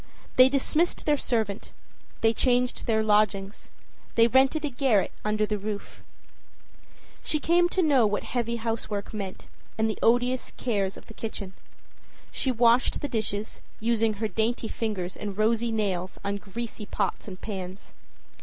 They dismissed their servant; they changed their lodgings; they rented a garret under the roof. She came to know what heavy housework meant and the odious cares of the kitchen. She washed the dishes, using her dainty fingers and rosy nails on greasy pots and pans.